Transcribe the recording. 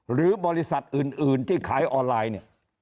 หรือบริษัทอื่นที่ขายออนไลน์เนี่ย